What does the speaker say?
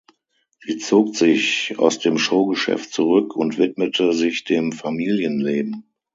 Sie zog sich aus dem Showgeschäft zurück und widmete sich dem Familienleben.